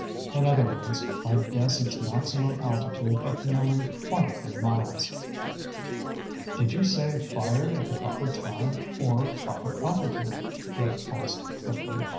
In other words, I'd guess its maximum altitude at nearly twenty three miles." "Did you say fired at the proper time, or proper altitude?" Rick asked quickly.